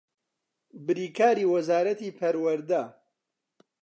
بریکاری وەزارەتی پەروەردە